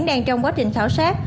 đang trong quá trình khảo sát